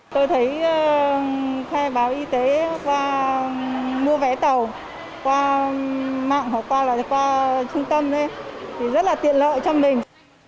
khi khai báo y tế qua mua vé tàu qua mạng hoặc qua trung tâm rất là tiện lợi cho mình